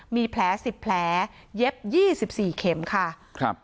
มีแผล๑๐แผลเย็บ๒๔เข็มค่ะ